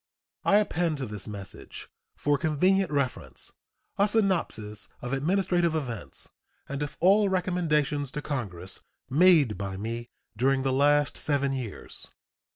I append to this message, for convenient reference, a synopsis of administrative events and of all recommendations to Congress made by me during the last seven years.